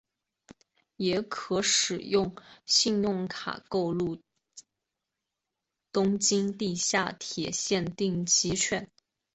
也可使用信用卡购入东京地下铁线定期券。